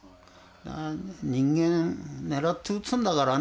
人間狙って撃つんだからね。